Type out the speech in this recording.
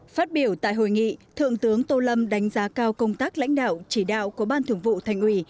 phát biểu tại hội nghị thượng tướng tô lâm đánh giá cao công tác lãnh đạo chỉ đạo của ban thường vụ thành ủy